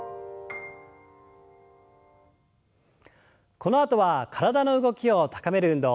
このあとは体の動きを高める運動。